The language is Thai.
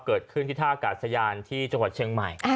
เกิดขึ้นที่ท่ากาศยานที่จังหวัดเชียงใหม่